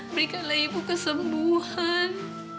berikanlah ibu kesembuhan